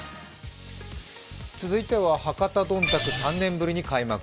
続いては博多どんたく３年ぶりに開幕。